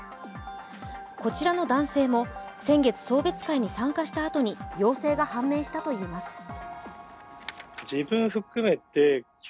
こちらの男性も先月、送別会に参加したあとに陽性が判明したといいます。